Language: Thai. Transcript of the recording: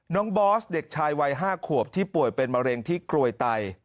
บอสเด็กชายวัย๕ขวบที่ป่วยเป็นมะเร็งที่กรวยไต